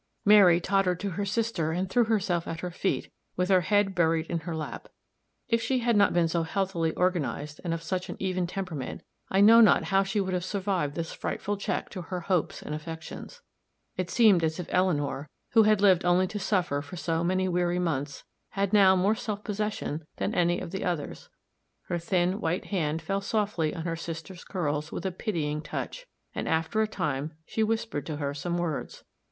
Mary tottered to her sister and threw herself at her feet, with her head buried in her lap; if she had not been so healthily organized, and of such an even temperament, I know not how she would have survived this frightful check to her hopes and affections. It seemed as if Eleanor, who had lived only to suffer for so many weary months, had now more self possession than any of the others; her thin, white hand fell softly on her sister's curls with a pitying touch; and after a time, she whispered to her some words.